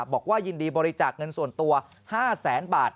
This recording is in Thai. บอกว่ายินดีบริจาคเงินส่วนตัว๕แสนบาท